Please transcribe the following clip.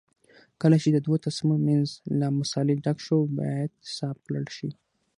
کله چې د دوو تسمو منځ له مسالې ډک شو باید صاف کړل شي.